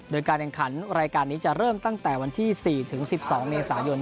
โดยการแข่งขันรายการนี้จะเริ่มตั้งแต่วันที่๔ถึง๑๒เมษายน